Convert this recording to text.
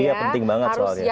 iya penting banget soalnya